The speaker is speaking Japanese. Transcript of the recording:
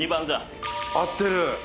合ってる！